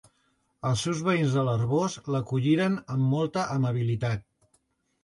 Els seus veïns de l'Arboç l'acolliren amb molta amabilitat.